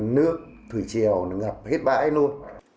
nước thủy triều nó ngập hết bãi luôn